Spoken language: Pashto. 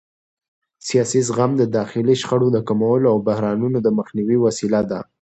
سیاسي زغم د داخلي شخړو د کمولو او بحرانونو د مخنیوي وسیله ده